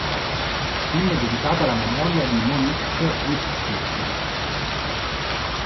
Il film è dedicato alla memoria di Monique Wittig.